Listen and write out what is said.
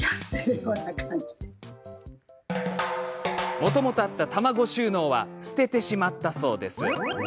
もともとあった卵収納は捨ててしまったそうです。